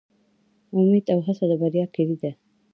امید او هڅه د بریا کیلي ده